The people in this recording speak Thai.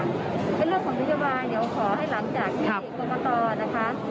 เป็นเรื่องของนโยบายเดี๋ยวขอให้หลังจากที่กรกตนะคะ